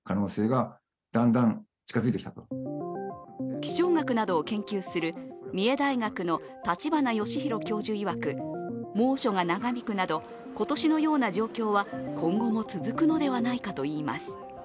気象学などを研究する三重大学の立花義裕教授いわく猛暑が長引くなど今年のような状況は今後も続くのではないかといいます。